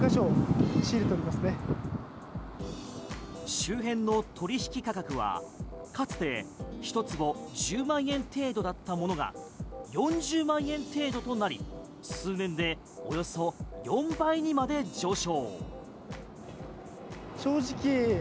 周辺の取引価格は、かつて１坪１０万円程度だったものが４０万円程度となり数年でおよそ４倍にまで上昇。